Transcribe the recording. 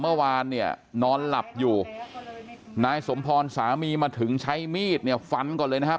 เมื่อวานเนี่ยนอนหลับอยู่นายสมพรสามีมาถึงใช้มีดเนี่ยฟันก่อนเลยนะครับ